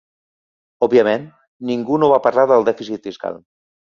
Òbviament, ningú no va parlar del dèficit fiscal.